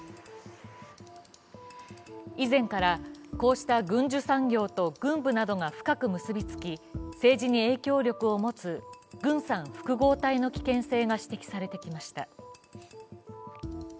以前から、こうした軍需産業と政治家などが深く結びつき政治に影響力を持つ軍産複合体の危険性が指摘されてきました。